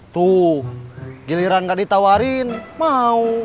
tuh giliran nggak ditawarin mau